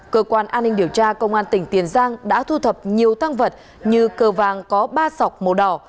cơ quan an ninh điều tra công an tỉnh tiền giang đã thu thập nhiều tăng vật như cờ vàng có ba sọc màu đỏ